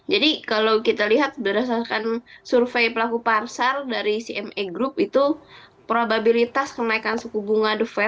jadi kalau kita lihat berdasarkan survei pelaku parsar dari cme group itu probabilitas kenaikan suku bunga acuan